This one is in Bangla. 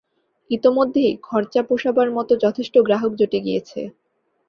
ইতোমধ্যেই খরচা পোষাবার মত যথেষ্ট গ্রাহক জুটে গিয়েছে।